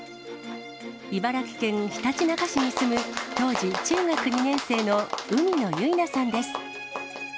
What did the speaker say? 茨城県ひたちなか市に住む、当時中学２年生の海野結菜さんです。